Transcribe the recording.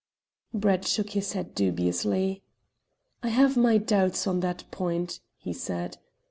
Brett shook his head dubiously. "I have my doubts on that point," he said.